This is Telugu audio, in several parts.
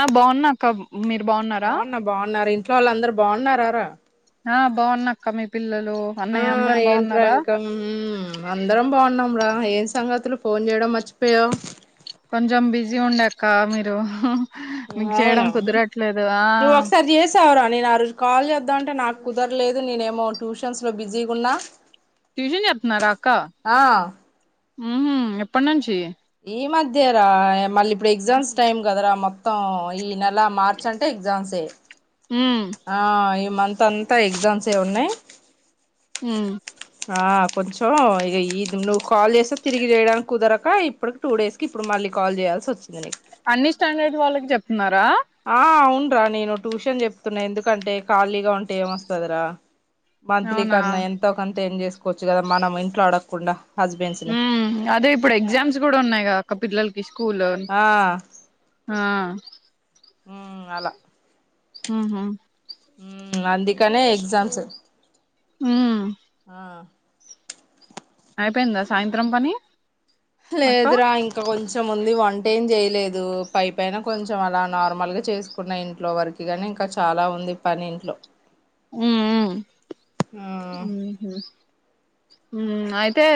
ఆ బాగున్నా అక్క మీరు బాగున్నారా ఇ వాళ్ళు అందరు బాగున్నారారా బాగున్నా అక్క పిల్లలు ఆ అన్నయ్య అందరు ఏంట్రా బాగున్నారా ఇంకా అందరం బాగున్నాం రా ఆ ఏం సంగతులు ఫోన్ చేయడం మర్చిపోయావు కొంచెం బిజీ ఉండక్క మీరు మీకు చేయడం అవునా కుదరట్లేదు ఆ నువ్వు ఒకసారి చేసావరా నేను ఆ రోజు కాల్ చేద్దామంటే నాకు కుదరలేదు నేనేమో ట్యూషన్స్లో బిజీగా ఉన్నా ట్యూషన్ చెప్తున్నారా అక్క ఆ మ్ ఎప్పటి నుంచి ఈ మధ్య రా మళ్ళీ ఇప్పుడు ఎగ్జామ్స్ టైం కదరా మ మొత్తం ఈ నెల మార్చ అంటే ఎగ్జామ్సే ఉమ్ ఆ మంత్ అంతా ఎగ్జామ్స్ ఏ ఉన్నాయి మ్ అ కొంచెం ఇక ఇది నువ్వు కాల్ చేస్తే తిరిగి వేయడానికి కుదరక ఇప్పడుకి టూ డేస్కి ఇప్పుడు మళ్ళీ కాల్ చేయాల్సి వచ్చింది నిక్ అన్ని స్టాండర్డ్ వాళ్ళకి చెప్తున్నారా ఆ అవున్రా నేను ట్యూషన్ చెప్తున్నా ఎందుకంటే ఖాళీగా ఉంటే ఏమొస్తుంది రా మంత్లీ అవునా కన్నా ఎంతో కంత ఏం చేసుకోవచ్చు కదా మనం ఇంట్లో అడ కుండా ఉ అదే ఇప్పుడు ఎగ్జామ్స్ కూడా ఉన్నాయి కా అక్క పిల్లల్ ఇస్కూలో ఆ ఆ ఉ అలా మ్ హు మ్ అందుకనే ఎగ్జామ్స్ ఉమ్, ఆ అయిపోయిందా సాయంత్రం పని అక్క లేదురా ఇంకా కొంచెం కొంచెంముంది వంటేం చేయలేదు పైపైన కొంచెం అలా నార్మల్గా చేసుకున్న ఇంట్లో వరకు కానీ ఇంకా చాలా ఉంది పని ఇంట్లో హ్మ్ మ్మ్ మ్మ్ అయితే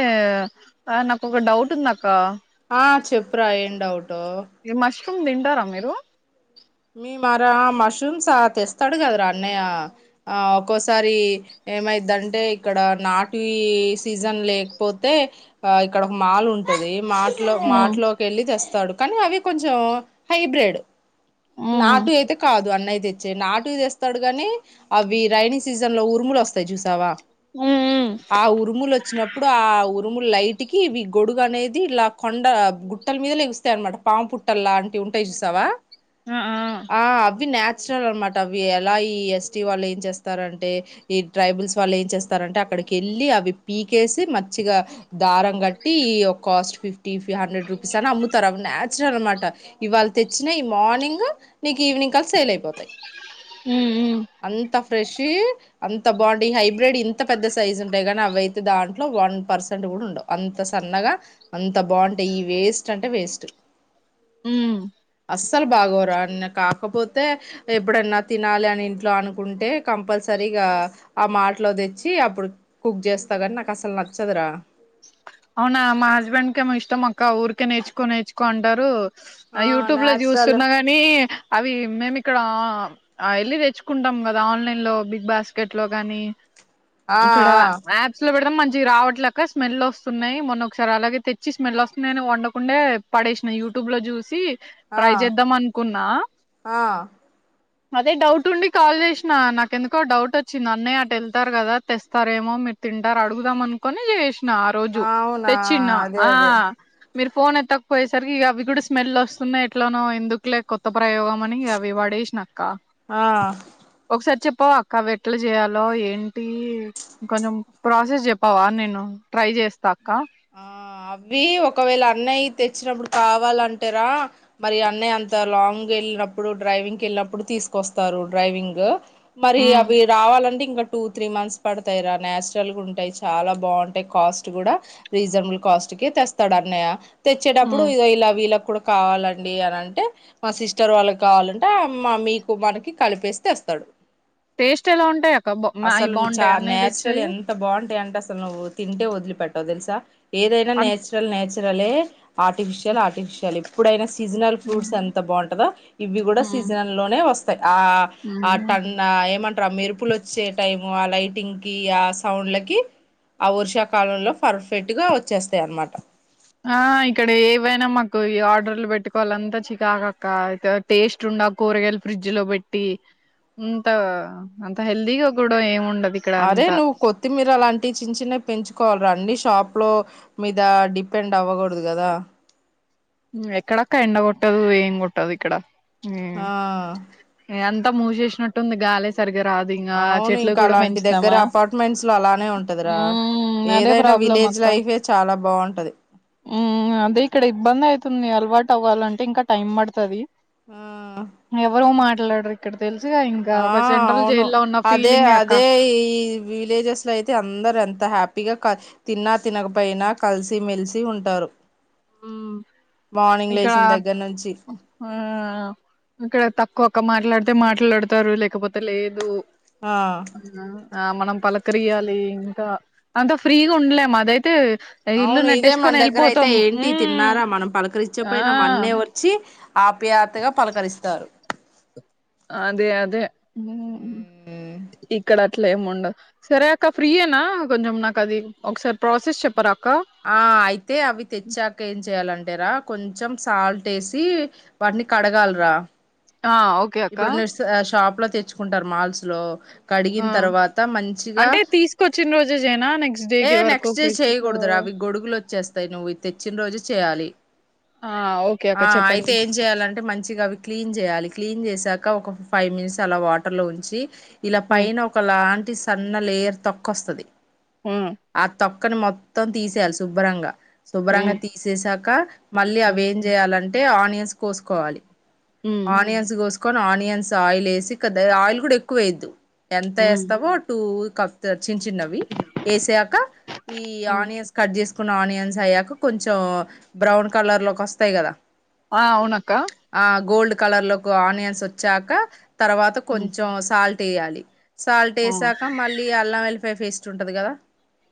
నాకొక డౌట్ ఉందక్క ఆ చెప్పురా ఏం డవుట్ ఏ మష్ మష్రూమ్ తింటారా మీరు మీ మరా మష్రూమ్సా తెస్తాడు కదరా అన్నయ్య ఆ ఒక్కోసారి ఏమైద్దంటే ఇక్కడ నాటువి సీజన్ లేకపోతే ఆ ఇక్కడ ఒక మాల్ ఉంటది మార్ట్లో మ్మ్ మార్ట్లోకి వెళ్ళి తెస్తాడు కానీ అవి కొంచెం హైబ్రిడ్ మ్మ్ నాటు అయితే కాదు అన్నయితే తెచ్చే నాటుయి తెస్తాడు గాని అవి రైైనీ సీజన్ లో ఉరుములు వస్తాయి చూసావా మ్మ్ ఆ ఉరుములు వచ్చినప్పుడు ఆ ఉరు ఉరుము లైట్కి ఇవి గొడుగు అనేది ఇలా కొండ గుట్టల మీద లెగుస్తాయి అన్నమాట పాము పుట్టల్ లాంటివి ఉంటాయి చూసావా ఆ అవి న నచురల్ అనమాట అవి ఎలా ఈ ఎస్టీ వాళ్ళు ఏం చేస్తారంటే, ఈ ట్రైబుల్స్ వాళ్ళు ఏం చేస్తారంటే అక్కడికి వెళ్ళి అవి పీకేసి మచ్చిగా దారం కట్టి, ఒక కాస్ట్ ఫిఫ్టీ హండ్రెడ్ రూపీస్ అని అమ్ముతారు అవి నచురల్ అనమాట, ఇవాళు తెచ్చినా ఈ మార్నింగ్ నీకు ఈవినింగ్ కలిసి సెయిల్ అయిపోతాయి హ్మ్ మ్మ్ ఫ్రెష్యీ అంత బాగుంటంది హైబ్రిడ్ ఇంత పెద్ద సైజ్ ఉంటాయి కానీ అవియితే దాంట్లో వన్ పర్సెంట్ కూడా ఉండవు అంత సన్నగా అంత బాగుంటాయి ఈ వేస్ట్ అంటే వేస్ట్ మ్ సలు భాగోర కాకపోతే ఎప్పుడన్నా తినాలి అని ఇంట్లో అనుకుంటే, కంపల్సరీగా ఆ మాటలో తెచ్చి అప్పుడు కుక్ చేస్తా కానీ నాకు అసలు నచ్చదురా అవునా మా హస్బెండ్కే ఇష్టమే అక్క ఊరికే నేర్చుకో నేర్చుకో అంటారు ఆ యూట్యూబ్ లో నాచురల్ చూస్తున్నా గాని అవి మేమి ఇక్కడ అ వెళ్ళి తెచ్చుకుంటాం కదా ఆన్లైన్ లో బిగ్ బాస్కెట్ లో గాని ఆ ఇక్కడ యాప్స్ లో పెడం మం చి రావట్ల స్మెల్ వస్ స్తున్నాయి మొన్నొ ఒకసారి అలాగే తెచ్చి స్మెల్ వస్తున్నాయియని వండకుండా పడేసినాయి యూట్యూబ్ లో చూసి ఆ ట్రై చేద్దాం అనుకున్నా ఆ అదే డౌట్ ఉండి కాల్ చేసినా, నాకెందుకో డౌట్ వచ్చింది అన్నయ్య అటు వెళ్తారు కదా, తెస్తారేమో మీరు తింటారు అడుగుదాం అనుకొని చేసినా రోజు ఆ అవునా తెచ్చిన అదే ఆ అదే మీరు ఫోన్ ఎత్తకపోయేసరికి ఇక అవి కూడా స్మెల్ వస్తున్నాయి ఎట్లానో ఎందుకులే కొత్త ప్రయోగం అని ఇ అవి పడేసినక్క ఆ ఒక సారి చెప్పావా అక్క వెట్లు చేయాలో ఏంటి కొంచెం ప్రాసెస్ చెప్పావా నేను ట్రై చేస్తాక్క ఆ అవి ఒకవేళ అన్నయ్య తెచ్చినప్పుడు కావాలంటార, మరి అన్నయ్య అంత లాంగ్ వెళ్ళినప్పుడు డ్రైవింగ్కి వెళ్ళినప్పుడు తీసుకొస్తారు డ్రైవింగ్ మరి ఉమ్ అవి రావాలండి ఇంకా టూ త్రీ మంత్స్ పడతాయి రా నాచురల్ గా ఉంటాయి చాలా బాగుంటాయి కాస్ట్ కూడా రిజనేబల్ కాస్ట్కి స్థడన్ని తెచ్చేటప్పుడు ఉమ్ ఇ ఇలా ఇలా కూడా కావాలండి అని అంటే మా సిస్టర్ వాళ్ళకి కావాలంటే మా మీకు మనకి కలిపేస్తే ఇస్తాడు టేస్ట్ ఎలా ఉంటాయ అక్క బ అవి చ బాగుంటాయి అన్నీ ఇది నేచురల్ వచ్చాయి ఎంత బాగుంటాయి అంటే అసలు ను్వు తింటే వదిలి పెెట్టవ తెలిసా ఏదైనా అన్ నేచురల్ నేచ ఆర్టిఫిషియల్ ఆర్టిఫిషియల్ ఇప్పుడైనా సీజనల్ ఫ్రూట్స్ ఉమ్ ఎంత బాగుంటందో ఇవి కూడా ఉమ్ సీజనల్ లోనే వస్తా ఆ ఆ ఉమ్. టన్ ఏమంట అ మెరుపులు వచ్చే టైము ఆ లైటింగ్ కి ఆ సౌండ్లకి ఆ వర్షాకాలంలోర్ఫ పెట్టుగా వచ్చేస్తాయి అనమాట ఆ ఇక్కడ ఏవైనా మాకు ఆర్డర్లు పెట్టుకోవాలి అంతా చికాకక్క టేస్ట్ ఉండ కూరగాయలు ఫ్రిడ్జ్ లో పెట్టి అంత అంత హెల్దీగా కూడా ఏమిండ అరే నువ్వు కొత్తిమీర అలాంటివి చిన్న చిన్నవి పెంచుకోవాల రం షాప్ లో మీద డిపెండ్ అవ్వకూడదు కదా ఎక్కడక్క ఎండ కొట్టదు ఏం కొట్టదు ఇక్కడ హ్మ్మ్ ఆ ంత మూవ చేసినట్టుంది గాాల సరికి అవును ఇంకా అలాంటి దగ్గర అపార్ట్మెంట్స్ లో అలానే ఉంటదిరా ఉమ్ అదే ఏదైనా ప్రాబ్లం విలేజ్ అక్క లైఫే చాలా బాగుంటది ఉమ్ అదే ఇక్కడ ఇబ్బంది అలవాటు అవ్వాలంటే ఇంకా టైమ్ పడుతుంది ఆ ఎల్లాడ ఆ అవును అదే ఫీలింగే అక్క అదే ఈ విలేజెస్ లో అయితే అందరు ఎంత హ్యాపీ తప్పిగా తిన్నా తినకపోయినా కలిసిమెెలిసి ఉంటారు మార్నింగ్ ఇక్కడ లేచిన దగ్గర నుంచి ఆ ఇక్కడ తక్కువ ఒక్క మాట్లాడితే మాట్లాడుతారు లేకపోతే లేదు ఆ ఆ మనం పలకరియాలి ఇంకా అంత ఫ్రీగా ఉండలేము అదైతే ఇల్లు అవును ఇదే మన నట్టేసుకొని దగ్గర అయితే వెళ్ళిపోతాం ఏంటి మ్మ్ తిన్నారా మనం ఆ పలకరిచ్చపోయినా మన్నే వచ్చి ఆప్యాతగా పలకరిస్తారు అదే అదే ఉ ఉమ్. ఇక్కడ అట్లా ఏముండదు సరే అక్క ఫ్రీ అనా కొంచెం నాకు అది ఒకసారి ప్రాసెస్ చెప్పరా అక్క ఆ అయితే అవి తెచ్చాక ఏం చేయ్యాలంటే రా కొంచెం సాల్ట్ వేసి వాటిని కడగాలరా ఆ ఓకే అక్క లో తెచ్చుకుంటారు మాల్స్ లో ఆ కడిగిన తర్వాత మంచిగా అంటే తీసుకొచ్చిన రోజే జేనా నెక్స్ట్ డే ఏ కి వరకు నెక్స్ట్ డే ఫ్రిడ్జ్ లో చేయకూడదురా అవి గొడుగులు వచ్చేస్తాయి నువ్వు ఇ తెచ్చిన రోజు చేయాలి ఆ ఓకే అక్క ఆ అయితే చెప్పండి ఏం చేయాలంటే మంచిగా అవి క్లీన్ చేయాలి చేసాక ఒక ఫైవ్ మినిట్స్ అలా వాటర్ లో ఉంచి ఇలా మ్మ్ పైన ఒక లాంటి టి సన్న లేయర్ తోక్కు వస్తది మ్మ్ ఆ తోక్ తోక్కని మొత్తం తీసేయాలి శుభ్రంగా శుభ్రంగా మ్మ్ తీసేసాక మళ్ళీ అవి ఏం చేయాలంటే అంటే ఆనియన్స్ కోసుకోవాలి మ్మ్ ఆనియన్ పోసుకొని ఆనియన్స్ ఆయిల్ వేసి ఆయిల్ కూడా ఎక్కువ వేయద్దు ఎంత హ్మ్ ఎస్తావో టూ కక్ చిన్న చిన్నవి వేసాక ఈ హ్మ్ ఆనియన్స్ కట్ చేసుకున్న ఆనియన్స్ అయ్యాక కొంచెం బ్రౌన్ కలర్ లోకి వస్తాయి కదా ఆ అవునాక్క ఆ గోల్డ్ కలర్ లో ఆనియన్స్ వచ్చాక తర్వాత హ్మ్. కొంచెం సాల్ట్ తియాలి సాల్ట్ ఆ! వేసాక మళ్ళీ అల్లం వె ఫైఫేస్ట్ంటుది కదా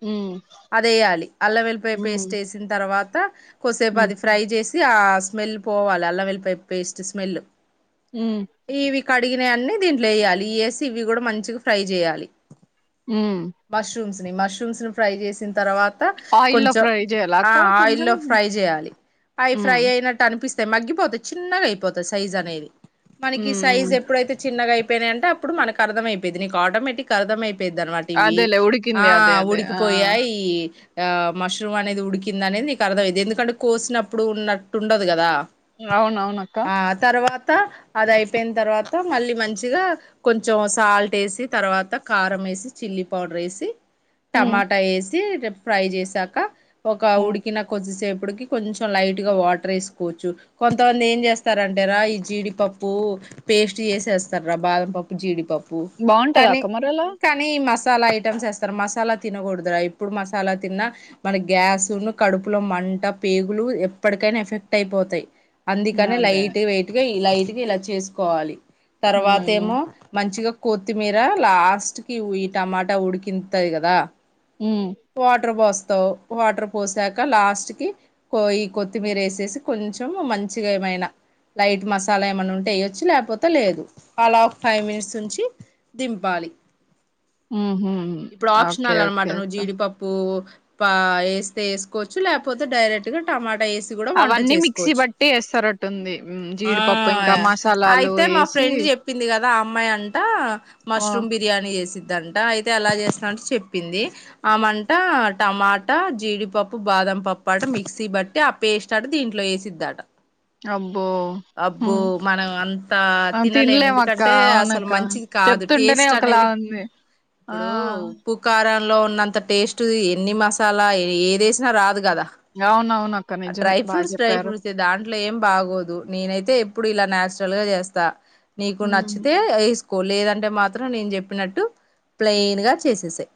హ్మ్. అదేయాలి అల్ల వెల్లిపాయ హ్మ్. పేస్ట్ వేసిన తర్వాత ద కొసేపు హ్మ్. అది ఫ్రై చేసి ఆ స్మెల్ పోవాలి అల్లం ఎల్లిపాయ పేస్ట్ స్మెల్ ఉ కడిగినయాన్ని దీంట్లో ఏయాలి ఎసి ఇవి కూడా మంచిగా ఫ్రై చేయాలి ఉ మష్రూమ్స్ మష్రూమ్స్ ని ఫ్రై చేసిన్ తర్వా త ఆయిల్‌లో కొంచెం ఫ్రై జేయాలా ఆ అక్క ఆయిల్ కొంచెం? లో హ్మ్. ఫ్రై చేయాలి అయి ఫ్రై హ్మ్. అయినట్టు అనిపిస్ మగ్గిపొతే చిన్నగా అయిపోతయ్ సైజ్ అనేది మనకి సైజ్ హ్మ్. ఎప్పుడైతే చిన్నగా అయి పేనాయి అంటే అప్పుడు మనకు అర్ధమైపోయిద్ది నీకు ఆటోమేటిక్ గా అర్థమయి ద్ది అనమాట ఇవి అదేలే ఆ ఉడికింది. అదే. అదే. ఆ! ఉడికిపోయాయి ఆ మష్రూమ్ అనేది ఉడికింద అనేది నీకు అర్థమైంది ఎందుకంటే కోసినప్పుడు ఉన్నట్టు ఉండదు కదా అవును అవును అక్క త అది అయిపోయిన తర్వాత మళ్ళీ మంచిగా కొంచెం సాల్ట్ వేసి తర్వాత కారం వేసి, చిల్లీ పౌడర్ వేసి హ్మ్. టమాటా వేసి రెప్ ఫ్రై జేసాక ఒక హ్మ్. ఉడికి నా కొద్దిసేపు ఉడికి కొంచెం లైట్ గా వాటర్ వేసుకోచ్చు కొంతమంది ఏం చేస్తారంటే రాయ్ జీడిపప్పు పేస్ట్ చేసేస్తారా బాదం పప్పు జీడిపప్ ప్పు బావుంటదా కానీ అక్క మరలా? కానీ ఈ మస్ మసాలా ఐటమ్స్ వేస్తారు మసాలా తినకూడదురా, ఇప్పుడు మసాలా తిన్నా మన గ్యాస్ ను కడుపులో మంట పేగులు ఎప్పటికైనా ఎఫెక్ట్ అయిపోతాయి. అందుకనే అదే. లైట్ గా వెయ్ ఇలా వీటికి ఇలా చేసుకోవాలి తర్వాత హ్మ్. ఏమో మంచిగా కొత్తిమీర లాస్ట్ కి ఈ టమాటా ఉడికింతది కదా హ్మ్. వాటర్ పోస్ తో వాటర్ పోసాక లాస్ట్ కి కొ ఈ కొత్తిమీర వేసేసి కొంచెం మంచిగా ఏమైనా, లైట్ మసాలా ఏమైన్నా ఉంటే వేయొచ్చు లేకపోతే లేదు అలా ఒక ఫైవ్ మినిట్స్ ఉంచి దింపాలి. హ్మ్. హుహు. ఇప్పుడు ఓకే. ఆప్షనల్ ఓకే అనమాటను అక్క. జీడిపప్పు పా వేస్తే వేసుకోవచ్చు లేకపోతే డైరెక్ట్ గా టమాట్ అవన్నీ మిక్సీ బట్టి వేస్తారట్టుంది ఆ అయితే మా ఏసి ఫ్రెండ్ చెప్పింది కదా ఆ అమ్మాయి అంటా ఆ! మష్రూమ్ బిర్యానీ, యేసిద్దంట అయితే ఎలా చేస్తరంటే చెప్పింది, ఆమంట టమాటా జీడిపప్పు బాదం పప్పు అట మిక్సీ బట్టి ఆ పేస్ట్ ఆట దీంట్లో వేసిద్దట. అబ్బో! అబ్బో హ్మ్. మనం అంత ఆ తినలేము తినలేమక్క ఎందుకంటే అసలు అవునక్క మంచిది కాదు చెప్తుంటేనే టేస్ట్ ఒకలా అనేది, ఉంది ఆ ఇప్పుడు ఉప్పు కారాలు లో ఉన్నంత టేస్ట్ ఎన్ని మసాలా ఏదేసినా రాదు కదా అవునవునక్క ఆ నిజమే డ్రై బాగా ఫ్రూట్స్ డ్రై చెప్పారు ఫ్రూట్స్ దాంట్లో ఏం బాగోదు నేనైతే ఎప్పుడు ఇలా నాచురల్ గా చేస్తా నీకు హ్మ్ నచ్చితే వేస్ కో లేదంటే మాత్రం నేను చెప్పినట్టు ప్లెయిన్గా చేసేసేయ్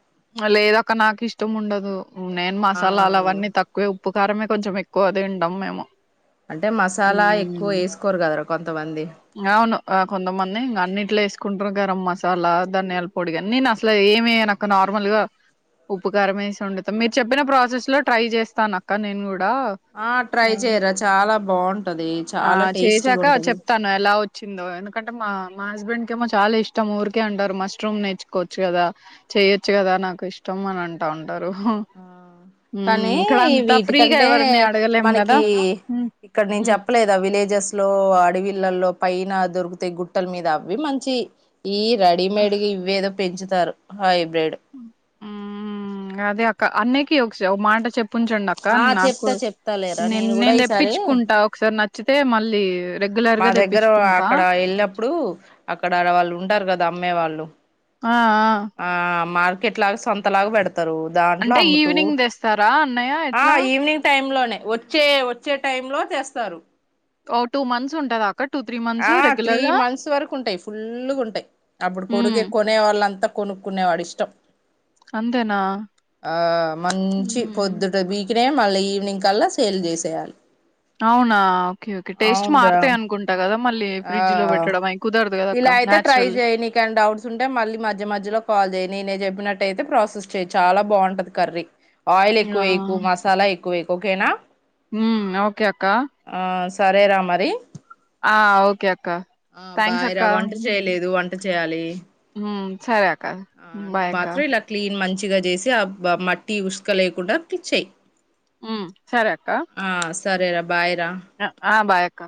లేద ఒక నాకు ఇష్టం ఉండదు నేను ఆ మసాలాలు అవన్నీ తక్కువే ఉప్పు కారమే కొంచెం ఎక్కువ అది ఉండము మేము అంటే మసాలా ఎక్కువ వేసుకోరు కదరా కొంతమంది అవును కొంతమంది ఇంకా అన్నిట్లో వేసుకుంటు గరం మసాలా ధనియాల పొడి అన్ని న అసలు ఏమ ఒక నార్మల్ గా ఉప్పు కారంమేసి ఉండుత మీరు చెప్పిన ప్రాసెస్ లో ట్రై చేస్తాను అక్క నేను కూడా ఆ ట్రై ఆ చెయరా చాలా బాగుంటది ఆ చాలా టేస్ట్గా ఉంటది అంటే మా మా హస్బెండ్ కేమో చాలా ఇష్టం ఊరికే అంటారు మస్మ్ నేర్చుకోవచ్చు కదా చెయొచ్చు కదా నాకు ఇష్టం అని అంటా ఉంట ఆ కానీ ఇక్కడ అంతా ఫ్రీగా వీటికంటే ఎవరిని అడగలేం కదా మనకి మ్మ్ ఇక్కడ నేను మ్మ్ చెప్పలేదా విలేజెస్ లో అడవి పిల్లల్లో పైన దొరికితే గుట్టల మీద అవవి మంచి ఈ రెడీమేడ్గా ఇవ్వేద పెంచుతారు హ్మ్మ్ అదే క్కఅన్నకి ఒకస ఒకమాట చెప్ ఉంచండి అక్క ఆ చెప్తా నాక్కూడ చెప్తా లేరా నేన్ కూడా నేను ఈసారి తెప్పించుకుంటా ఒకసారి న చ్చితే మళ్ళీ రెగ్యులర్ మా గా దగ్గర తెప్పించుకుంటా అక్కడ వెళ్ళినప్పుడు అక్కడ వాళ్ళు ఉంటారు కదా అమ్మే వాళ్ళు ఆ ఆ మార్కెట్ లాగా సొంత లాగా పెడతంది ఘాట్ల అంటే ఈవినింగ్ తెస్తారా అన్నయ్య ఆ ఎట్లా ఈవినింగ్ టైమ్ లో లే వచ్చే వచ్చే టైం లో చేస్తారు ఓ టూ మంత్స్ ఉంటదా అక్క టూ త్రీ మంత్స్ ఆ త్రీ రెగ్యులర్ గా మంత్స్ వరకు ఉంటాయి ఫుల్లుగుంటాయ్, అప్పుడు హ్మ్. కొడుతే కొనే వాళ్ళంతా కొనుక్కునేవాడిష్టం అంతేనా? ఆ మంచి హ్మ్. పొద్దుట బీకే మళ్ళీ ఈవినింగ్ కల్లా సేల్ చేసేయాలి అవునా ఓకే ఓకే టేస్ట్ అవునురా మారుతాయి అనుకుంటా కదా ఆ అక్క ఇలా అయితే ట్రై నేచురల్. జేయ్ నీకేం డౌట్స్ ఉంటే మళ్ళీ మధ్య మధ్యలో కాల్ జేయ్, నేనే చెప్పినట్ ట్ అయితే ప్రాసెస్ చేయ్ చాలా బాగుంటది కర్రీ ఆయిల్ ఎక్కువేయకు మసాలే క్కువేయకు ఒకేనా ఉమ్ ఓకే అక్కా సరేరా మరి ఆ ఓకే అక్క థ్యాంక్స్ అక్క ఎంత చేయాలి సరే అక్క ఆ నువ్వు బాయ్ అక్క మాత్రం ఇలా క్లీన్ మంచిగా చేసి ఆ మట్టి ఉసుక లేకుండా ప్లిచ్చ చేయయి ఉ సరే అక్క సరే రబ్ ఆ బాయ క్క